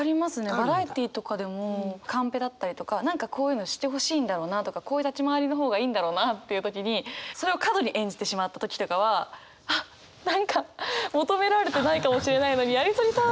バラエティーとかでもカンペだったりとか何かこういうのしてほしいんだろうなとかこういう立ち回りの方がいいんだろうなっていう時にそれを過度に演じてしまった時とかはあっ何か求められてないかもしれないのにやり過ぎたとか。